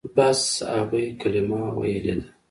بس هغوى کلمه ويلې ده.